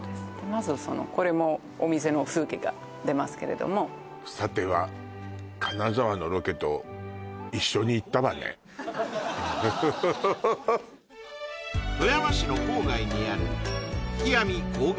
まずこれもお店の風景が出ますけれどもさては金沢のロケと富山市の郊外にあるわっ